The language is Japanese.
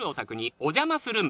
お邪魔するンバ。